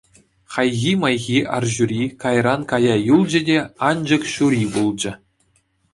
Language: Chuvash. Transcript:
Хайхи-майхи арҫури кайран кая юлчӗ те, анчӑк ҫури пулчӗ.